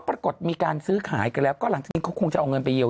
ปรากฏมีการซื้อขายกันแล้วก็แล้วเขาขึ้นเธอเงินไปเยียว